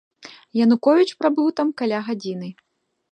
Януковіч прабыў там каля гадзіны.